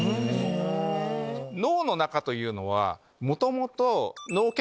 脳の中というのは。